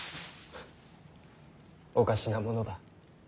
おかしなものだ。